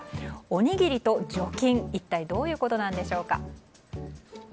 おにぎりと除菌一体どういうことなんでしょうか。